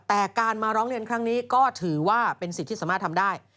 แต่การมาร้องเรียนครั้งนี้ก็ถือว่าเป็นสิทธิ์ที่สามารถทำได้